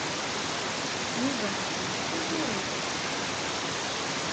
Yuba iḥemmel taẓuri.